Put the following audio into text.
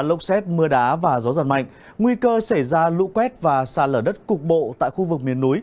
lốc xét mưa đá và gió giật mạnh